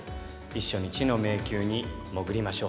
一緒に知の迷宮に潜りましょう。